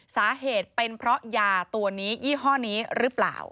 สาเหตุเป็นเพราะยาตัวนี้ยี่ห้อนี้หรือเปล่า